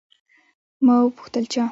ما وپوښتل، چا؟